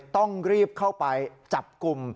ต้องรีบเข้าไปจับกลุ่ม